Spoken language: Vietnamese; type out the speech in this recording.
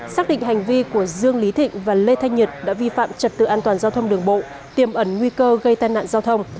xác định hành vi của dương lý thịnh và lê thanh nhật đã vi phạm trật tự an toàn giao thông đường bộ tiêm ẩn nguy cơ gây tai nạn giao thông